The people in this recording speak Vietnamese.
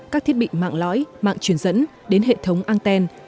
các thiết bị mạng lõi mạng truyền dẫn đến hệ thống anten